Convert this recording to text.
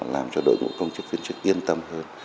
làm cho đội ngũ công chức viên chức yên tâm hơn